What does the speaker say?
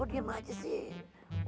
kok diam aja sih